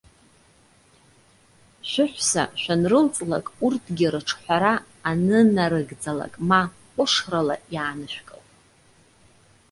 Шәыҳәса шәанрылҵлак, урҭгьы рыҿҳәара анынарыгӡалак ма ҟәышрала иаанышәкыл.